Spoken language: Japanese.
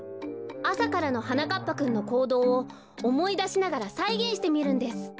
あさからのはなかっぱくんのこうどうをおもいだしながらさいげんしてみるんです。